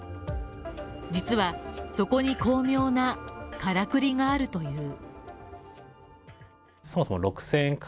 実はそこに巧妙なからくりがあるという。